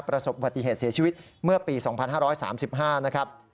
ประสบปฏิเหตุเสียชีวิตเมื่อปีสองพันห้าร้อยสามสิบห้านะครับ